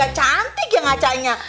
gak cantik ya ngacanya